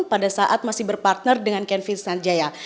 pada saat masih berpartner dengan kenvisan jaya